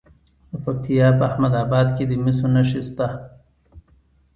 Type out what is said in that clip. د پکتیا په احمد اباد کې د مسو نښې شته.